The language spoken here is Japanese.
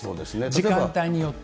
時間帯によって。